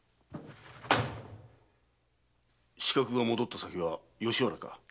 刺客が戻った先は吉原か？